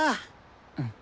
うん。